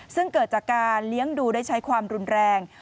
ซึ่งเกิดจากการเลี้ยงดูได้ใช้ความรุนแรง